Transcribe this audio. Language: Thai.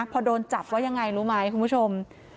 พอโดนจับว่ายังไงรู้ไหมคุณผู้ชม